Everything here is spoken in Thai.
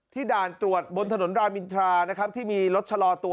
ที่ด่านตรวจบนถนนรามีนทราที่มีรถชะลาตัว